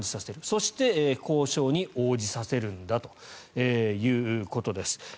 そして、交渉に応じさせるんだということです。